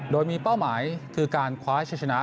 โดยมีเป้าหมายคือการคว้าชัยชนะ